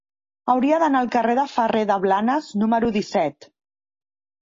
Hauria d'anar al carrer de Ferrer de Blanes número disset.